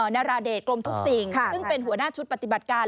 นาราเดชกลมทุกสิ่งซึ่งเป็นหัวหน้าชุดปฏิบัติการ